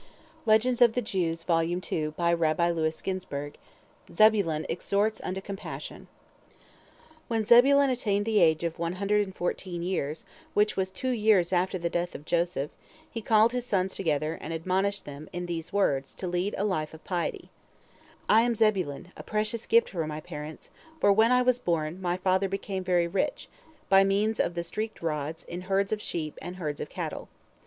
ZEBULON EXHORTS UNTO COMPASSION When Zebulon attained the age of one hundred and fourteen years, which was two years after the death of Joseph, he called his sons together, and admonished them, in these words, to lead a life of piety: "I am Zebulon, a precious gift for my parents, for when I was born, my father became very rich, by means of the streaked rods, in herds of sheep and herds of cattle.